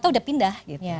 tahun dah pindah